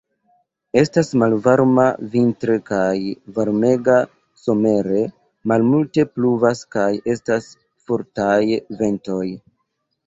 Estas malvarma vintre kaj varmega somere; malmulte pluvas kaj estas fortaj ventoj.